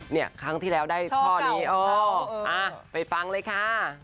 เนี่ยครั้งที่แล้วได้ช่อนี้เออไปฟังเลยค่ะ